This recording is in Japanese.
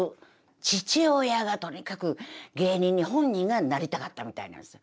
父親がとにかく芸人に本人がなりたかったみたいなんですよ。